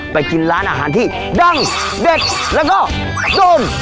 กินร้านอาหารที่ดังเด็ดแล้วก็โดม